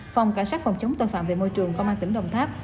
phòng cảnh sát phòng chống tội phạm về môi trường công an tỉnh đồng tháp